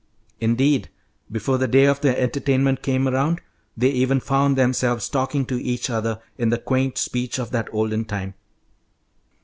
Indeed, before the day of the entertainment came around they even found themselves talking to each other in the quaint speech of that olden time.